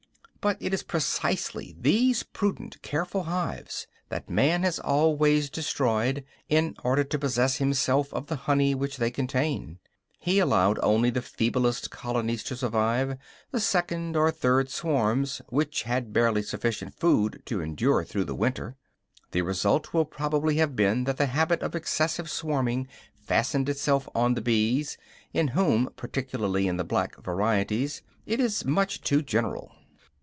But it is precisely these prudent, careful hives that man has always destroyed in order to possess himself of the honey which they contained. He allowed only the feeblest colonies to survive; the second or third swarms, which had barely sufficient food to endure through the winter. The result will probably have been that the habit of excessive swarming fastened itself on the bees, in whom, particularly in the black varieties, it is much too general.